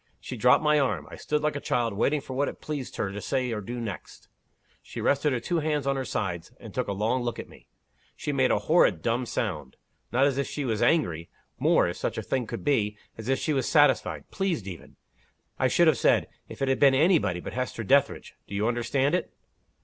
She dropped my arm. I stood like a child, waiting for what it pleased her to say or do next. She rested her two hands on her sides, and took a long look at me. She made a horrid dumb sound not as if she was angry; more, if such a thing could be, as if she was satisfied pleased even, I should have said, if it had been any body but Hester Dethridge. Do you understand it?"